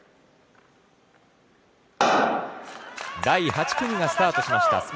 第８組がスタートしました。